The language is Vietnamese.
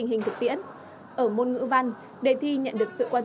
môn ngữ văn thì em làm được bài em đánh giá đề năm nay khá lộng